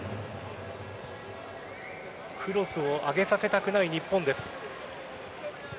クロスを上げさせたくない日本です。